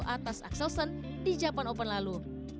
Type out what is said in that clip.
atas axelsen di japan open lalu